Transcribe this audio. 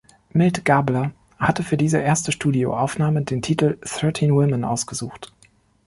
Milt Gabler hatte für diese erste Studioaufnahme den Titel "Thirteen Women" ausgesucht.